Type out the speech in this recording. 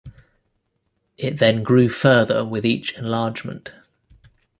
It then grew further with each enlargement.